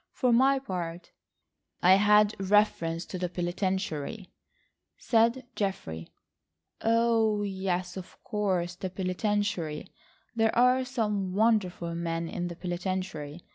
For my part—" "I had reference to the penitentiary," said Geoffrey. "Oh, yes, of course, the penitentiary. There are some wonderful men in the penitentiary.